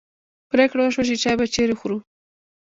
پرېکړه وشوه چې چای به چیرې خورو.